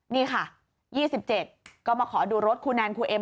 นี่ค่ะ๒๗ก็มาขอดูรถครูแนนครูเอ็ม